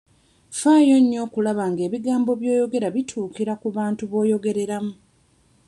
Faayo nnyo okulaba nga ebigambo by'oyogera bituukira ku bantu b'oyogerera mu.